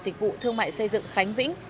dịch vụ thương mại xây dựng khánh vĩnh